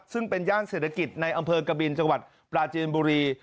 ซึ่งเป็นย่านเศรษฐกิจในอำเภอกบินจังหวัดปราจีนบุรี